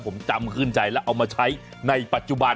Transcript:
ผมจำขึ้นใจแล้วเอามาใช้ในปัจจุบัน